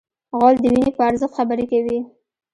غول د وینې په ارزښت خبرې کوي.